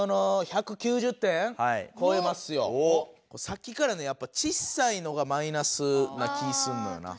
さっきからねやっぱちっさいのがマイナスな気すんのよな。